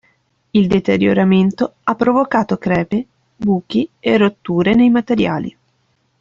Il deterioramento ha provocato crepe, buchi e rotture nei materiali.